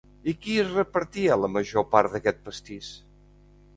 I qui es repartia la major part d’aquest pastís?